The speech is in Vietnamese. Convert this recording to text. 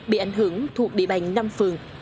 bị ảnh hưởng thuộc địa bàn năm phường